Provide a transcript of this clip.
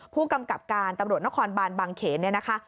ผู้กำกับการตำรวจนครบานบางเขนเนี่ยนะคะ